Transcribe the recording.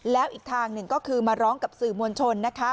แล้วอีกทางหนึ่งก็คือมาร้องกับสื่อมวลชนนะคะ